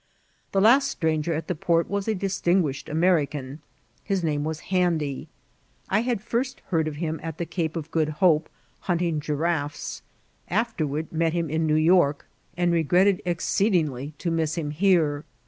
The last stranger at the port was a distinguished American. His name was Handy ; I had first heard of him at the Cape of Oood Hope, hunting giraffes, after* virard met him in New York, ttid regretted exceedin^y 84t iKciDBNTa or thatbl. to nam him here.